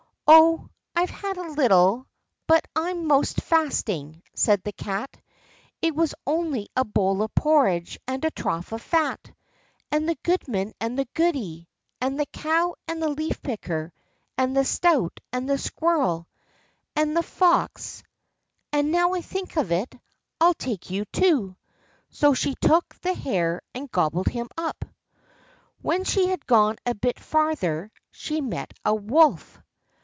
"Oh, I've had a little, but I'm 'most fasting," said the Cat; "it was only a bowl of porridge, and a trough of fat, and the goodman, and the goody, and the cow, and the leaf picker, and the stoat, and the squirrel, and the fox—and, now I think of it, I'll take you too." So she took the hare and gobbled him up. When she had gone a bit farther she met a wolf.